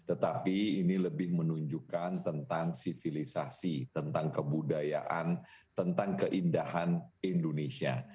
tetapi ini lebih menunjukkan tentang sivilisasi tentang kebudayaan tentang keindahan indonesia